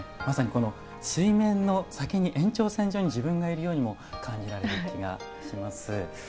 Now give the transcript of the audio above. まさにこの水面の先に延長線上に自分がいるようにも感じられる気がします。